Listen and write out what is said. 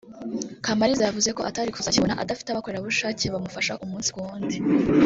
Kamaliza yavuze ko atari kuzakibona adafite abakorerabushake bamufasha umunsi ku wundi